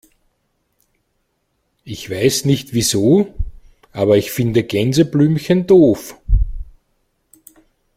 Ich weiß nicht wieso, aber ich finde Gänseblümchen doof.